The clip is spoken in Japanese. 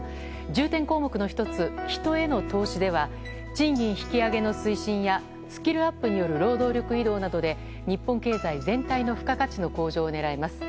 重点項目の１つ、人への投資では賃金引き上げの推進やスキルアップによる労働力移動などで日本経済全体の付加価値の向上を狙います。